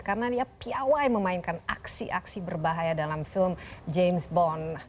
karena dia piyawai memainkan aksi aksi berbahaya dalam film james bond